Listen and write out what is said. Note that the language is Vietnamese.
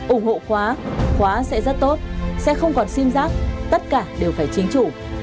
ủng hộ khóa khóa sẽ rất tốt sẽ không còn xim rác tất cả đều phải chính chủ